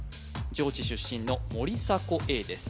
上智出身の森迫永依です